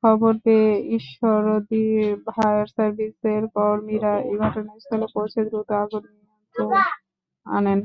খবর পেয়ে ঈশ্বরদী ফায়ার সার্ভিসের কর্মীরা ঘটনাস্থলে পৌঁছে দ্রুত আগুন নিয়ন্ত্রণ আনেন।